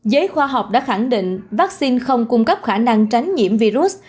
giới khoa học đã khẳng định vaccine không cung cấp khả năng tránh nhiễm virus